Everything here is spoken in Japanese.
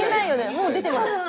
「もう出てます」って。